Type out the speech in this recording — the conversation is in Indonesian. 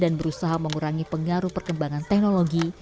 dan berusaha mengurangi pengaruh perkembangan teknologi